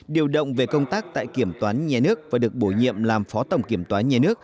điều động về công tác tại kiểm toán nhà nước và được bổ nhiệm làm phó tổng kiểm toán nhà nước